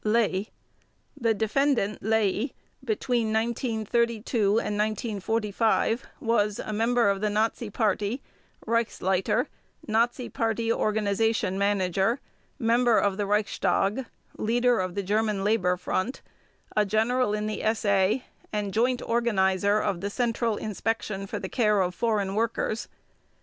LEY: The Defendant LEY between 1932 and 1945 was: A member of the Nazi Party, Reichsleiter, Nazi Party Organization Manager, member of the Reichstag, leader of the German Labor Front, a General in the SA, and Joint Organizer of the Central Inspection for the Care of Foreign Workers.